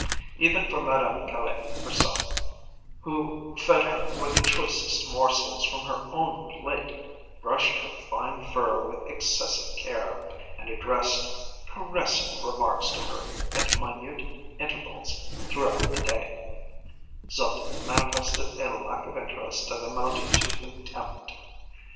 Even for Madame Caille herself, who fed her with the choicest morsels from her own plate, brushed her fine fur with excessive care, and addressed caressing remarks to her at minute intervals throughout the day, Zut manifested a lack of interest that amounted to contempt.